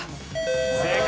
正解。